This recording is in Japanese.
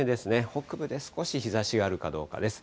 北部で少し日ざしがあるかどうかです。